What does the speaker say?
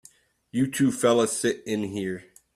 You two fellas sit in here.